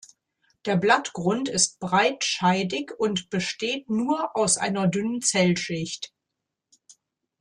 Der Blattgrund ist breit scheidig und besteht nur aus einer dünnen Zellschicht.